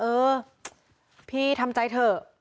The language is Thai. เออพี่ทำใจเถอะ